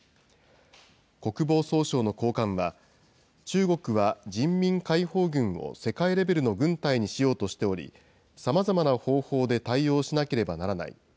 国防総省の高官は、中国は、人民解放軍を世界レベルの軍隊にしようとしており、さまざまな方法で対応しなければならない。